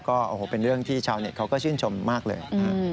ก็เป็นเรื่องที่ชาวเน็ตเขาก็ชื่นชมมากเลย